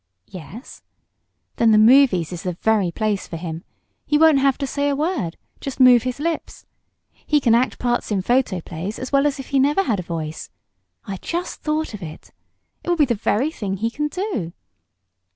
"Yes." "Then the movies is the very place for him! He won't have to say a word just move his lips. He can act parts in photoplays as well as if he never had a voice. I just thought of it. It will be the very thing he can do.